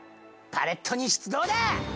パレットに出動だ！